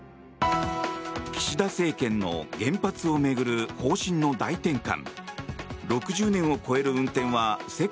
岸田政権の原発を巡る方針の大転換。